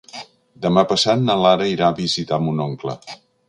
Demà passat na Lara irà a visitar mon oncle.